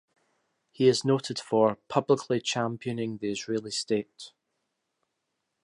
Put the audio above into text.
He is noted for "publicly championing the Israeli state".